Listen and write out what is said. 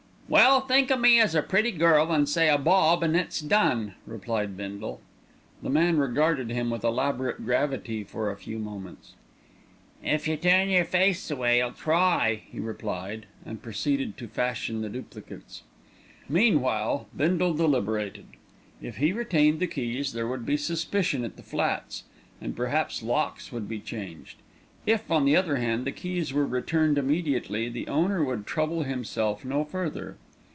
"Well, think o' me as a pretty girl an' say a bob, an' it's done," replied Bindle. The man regarded him with elaborate gravity for a few moments. "If yer turn yer face away I'll try," he replied, and proceeded to fashion the duplicates. Meanwhile Bindle deliberated. If he retained the keys there would be suspicion at the flats, and perhaps locks would be changed; if, on the other hand, the keys were returned immediately, the owner would trouble himself no further.